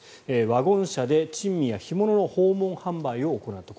ワゴン車で珍味や干物の訪問販売を行った。